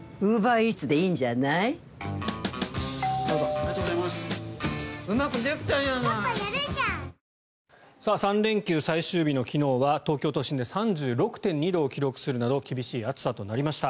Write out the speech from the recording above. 香りに驚くアサヒの「颯」３連休最終日の昨日は東京都心で３６．２度を記録するなど厳しい暑さとなりました。